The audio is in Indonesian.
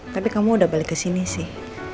tapi kamu udah balik kesini sih